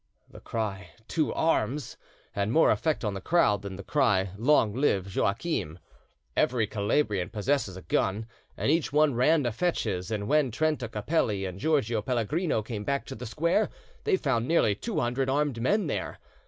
The cry "To arms!" had more effect on the crowd than the cry "Long live Joachim!" Every Calabrian possesses a gun, and each one ran to fetch his, and when Trenta Capelli and Giorgio Pellegrino came back to the square they found nearly two hundred armed men there.